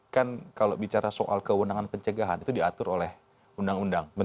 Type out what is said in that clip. kan kalau bicara soal kewenangan pencegahan itu diatur oleh undang undang